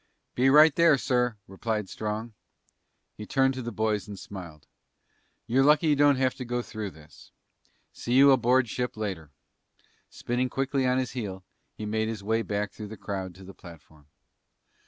"Be right there, sir," replied Strong. He turned to the boys and smiled. "You're lucky you don't have to go through this. See you aboard ship later." Spinning quickly on his heel, he made his way back through the crowd to the platform.